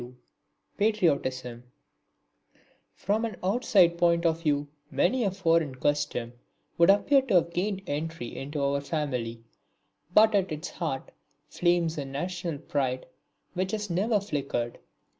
(22) Patriotism From an outside point of view many a foreign custom would appear to have gained entry into our family, but at its heart flames a national pride which has never flickered.